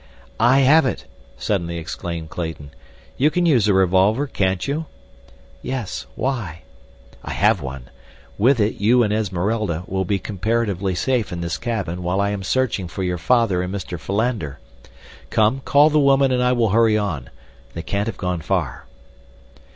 "I have it!" suddenly exclaimed Clayton. "You can use a revolver, can't you?" "Yes. Why?" "I have one. With it you and Esmeralda will be comparatively safe in this cabin while I am searching for your father and Mr. Philander. Come, call the woman and I will hurry on. They can't have gone far."